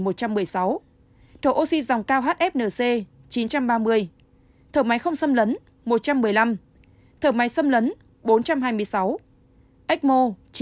độ oxy dòng cao hfnc chín trăm ba mươi thở máy không xâm lấn một trăm một mươi năm thở máy xâm lấn bốn trăm hai mươi sáu ecmo chín mươi